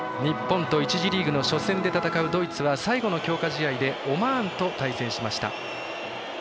日本と１次リーグの初戦で戦うドイツは最後の強化試合でオマーンと対戦しました。